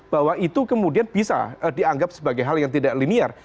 bahwa itu kemudian bisa dianggap sebagai hal yang tidak linear